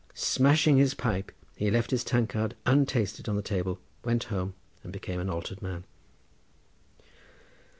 Smashing his pipe, he left his tankard untasted on the table, went home, and became an altered man.